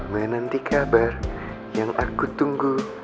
menanti kabar yang aku tunggu